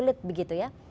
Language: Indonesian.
sulit begitu ya